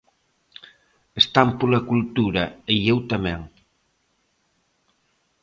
"Están pola cultura, e eu tamén".